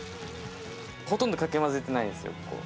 ほとんどかき混ぜてないんですよ、ここ。